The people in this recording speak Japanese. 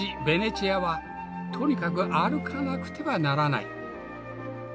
ベネチアはとにかく歩かなくてはならない。